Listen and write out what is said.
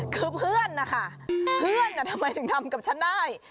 คือเพื่อนนะคะเพื่อนทำไมถึงทำกับฉันได้